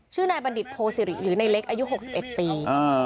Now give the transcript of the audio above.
ชื่อนายบัณฑิตโพสิริหรือในเล็กอายุหกสิบเอ็ดปีอ่า